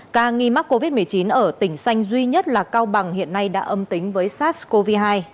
ca nghi mắc covid một mươi chín ở tỉnh xanh duy nhất là cao bằng hiện nay đã âm tính với sars cov hai